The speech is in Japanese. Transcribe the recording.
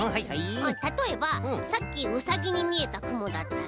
たとえばさっきウサギにみえたくもだったら。